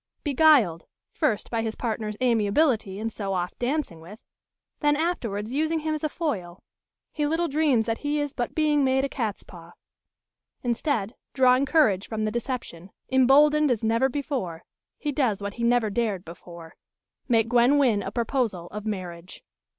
Beguiled, first by his partner's amiability in so oft dancing with, then afterwards using him as a foil, he little dreams that he is but being made a catspaw. Instead, drawing courage from the deception, emboldened as never before, he does what he never dared before make Gwen Wynn a proposal of marriage.